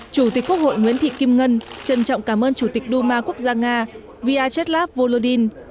chủ tịch quốc hội nguyễn thị kim ngân trân trọng cảm ơn chủ tịch đu ma quốc gia nga vyacheslav volodin